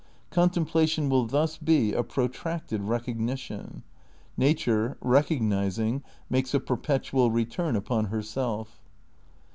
Contemplation will thus be a protracted recognition. Nature, recognising, makes a perpetual return upon herself.